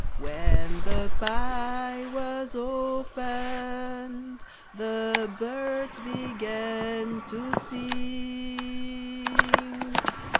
When the pie was opened The birds began to sing.